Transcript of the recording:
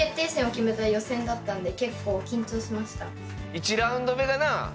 １ラウンド目がなぁ。